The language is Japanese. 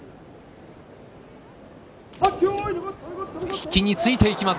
引きについていきます